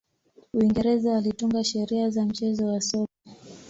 uingereza walitunga sheria za mchezo wa soka